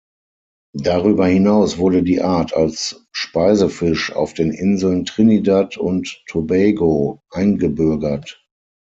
Darüber hinaus wurde die Art als Speisefisch auf den Inseln Trinidad und Tobago eingebürgert.